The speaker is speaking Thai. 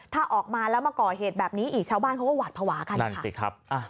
ถ้าออกมาแล้วมาก่อเหตุแบบนี้อีกชาวบ้านเขาก็หวาดภาวะกันนะคะ